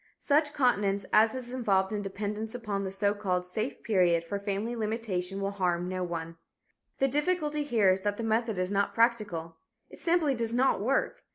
Such continence as is involved in dependence upon the so called "safe period" for family limitation will harm no one. The difficulty here is that the method is not practical. It simply does not work.